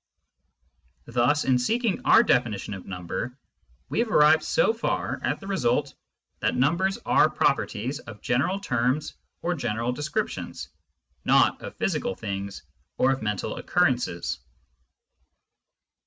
Thus, in seeking our definition of number we have arrived so far at the resvdt that numbers are properties of general terms or general de scriptions, not of physical things or of mental occurrences.